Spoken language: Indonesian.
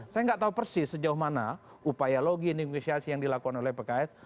saya nggak tahu persis sejauh mana upaya logi negosiasi yang dilakukan oleh pks